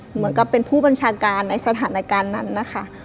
เหมือนกับเป็นผู้บัญชาการในสถานการณ์นั้นนะคะ